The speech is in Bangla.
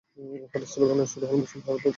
হঠাৎ শ্লোগান শুনে মুসলিম পাহারাদারগণ দৌড়ে আসেন।